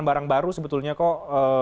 barang baru sebetulnya kok